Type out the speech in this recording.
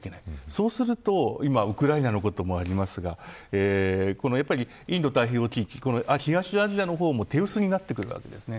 そうすると今、ウクライナのこともありますがインド太平洋地域東アジアの方も手薄になってくるわけですね。